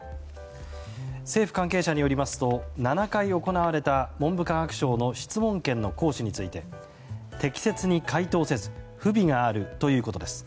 政府関係者によりますと７回行われた文部科学省の質問権の行使について適切に回答せず不備があるということです。